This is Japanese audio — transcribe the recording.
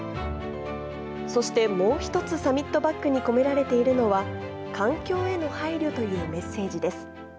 そして、もう一つサミットバッグに込められているのは、環境への配慮というメッセージです。